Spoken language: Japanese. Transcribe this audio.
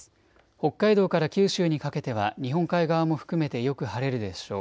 北海道から九州にかけては日本海側も含めてよく晴れるでしょう。